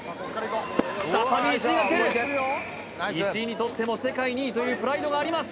再び石井が蹴る石井にとっても世界２位というプライドがあります